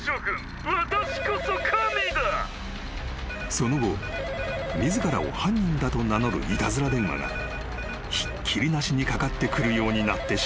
☎［その後自らを犯人だと名乗るいたずら電話がひっきりなしにかかってくるようになってしまったのだ］